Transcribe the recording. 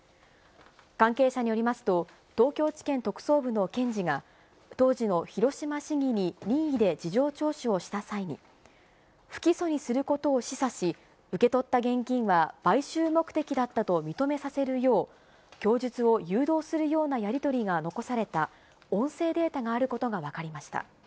関係者によりますと、東京地検特捜部の検事が、当時の広島市議に任意で事情聴取をした際に、不起訴にすることを示唆し、受け取った現金は買収目的だったと認めさせるよう供述を誘導するようなやり取りが残された音声データがあることが分かりました。